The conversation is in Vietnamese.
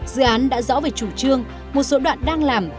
dự án đã rõ về chủ trương một số đoạn đang làm